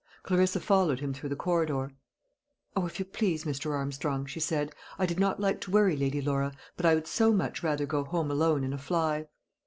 Clarissa followed him through the corridor. "O, if you please, Mr. Armstrong," she said, "I did not like to worry Lady Laura, but I would so much rather go home alone in a fly."